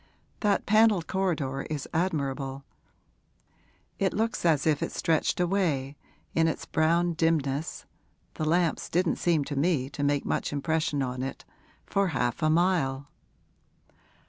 That panelled corridor is admirable; it looks as if it stretched away, in its brown dimness (the lamps didn't seem to me to make much impression on it), for half a mile.'